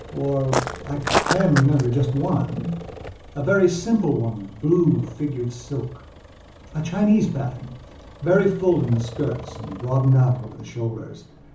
Or I can remember just one, a very simple one of blue figured silka Chinese patternvery full in the skirts and broadening out over the shoulders.